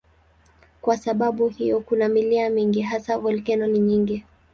Kwa sababu hiyo kuna milima mingi, hasa volkeno ni nyingi.